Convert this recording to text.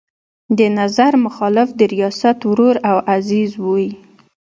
د نظر مخالف د ریاست ورور او عزیز وي.